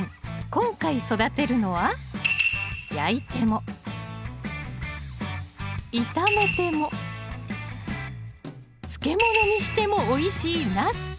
今回育てるのは焼いても炒めても漬物にしてもおいしいナス。